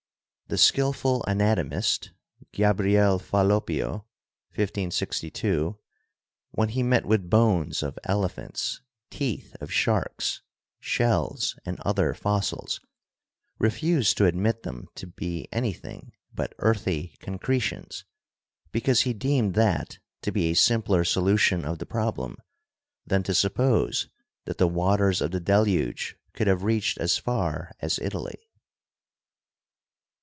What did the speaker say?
The skilful anatomist, Gabriel Falloppio (d. 1562), when he met with bones of elephants, teeth of sharks, shells and other fossils, refused to admit them to be anything but earthy concretions, because he deemed that to be a simpler solution of the problem than to suppose that the waters of the Deluge could have reached as far as Italy.